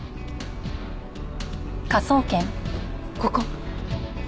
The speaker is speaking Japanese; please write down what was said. ここ！